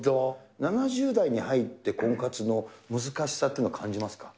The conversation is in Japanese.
７０代に入って婚活の難しさっていうのは感じますか。